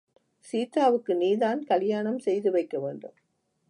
சீதாவுக்கு நீதான் கலியாணம் செய்து வைக்க வேன்டும்.